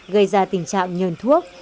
gây ra tình trạng nhờn thuốc